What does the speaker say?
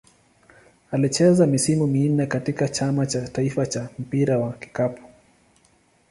Alicheza misimu minne katika Chama cha taifa cha mpira wa kikapu.